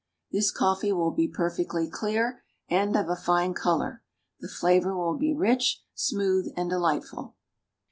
This coffee will be perfectly clear, and of a fine color. The flavor will be rich, smooth and delightful.